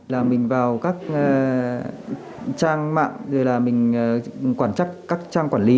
là mình vào các trang mạng rồi là mình quản chắc các trang quản lý